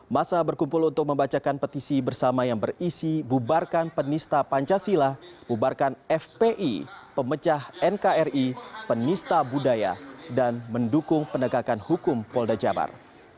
masa berkumpul untuk membacakan petisi bersama yang berisi bubarkan penista pancasila bubarkan fpi pemecah nkri penista budaya dan mendukung penegakan hukum polda jabar